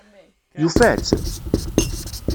Yufa-tt?